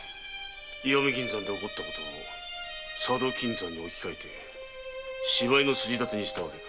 石見銀山で起きたことを佐渡金山に置き換え芝居の筋にしたのか。